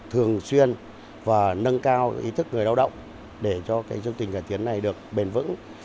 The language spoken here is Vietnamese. thường xuyên và nâng cao ý thức người lao động để cho chương trình cải tiến này được bền vững